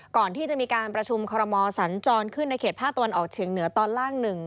ก่อนที่จะมีการประชุมคอรมอสัญจรขึ้นในเขตภาคตะวันออกเฉียงเหนือตอนล่าง๑